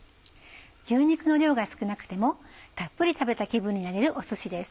牛肉の量が少なくてもたっぷり食べた気分になれるおすしです。